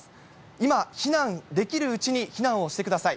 今、避難できるうちに避難をしてください。